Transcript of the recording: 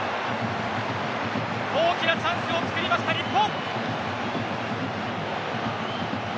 大きなチャンスを作りました日本。